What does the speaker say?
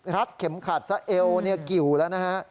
เข็มขัดซะเอวกิวแล้วนะฮะ